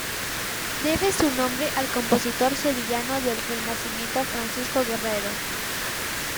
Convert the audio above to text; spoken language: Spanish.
Debe su nombre al compositor sevillano del Renacimiento Francisco Guerrero.